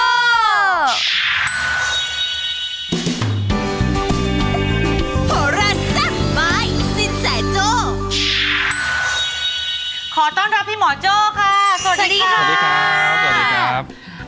สวัสดีครับสวัสดีครับ